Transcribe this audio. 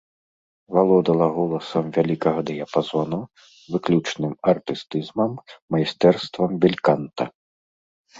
Валодала голасам вялікага дыяпазону, выключным артыстызмам, майстэрствам бельканта.